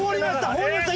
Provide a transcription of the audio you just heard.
放りました！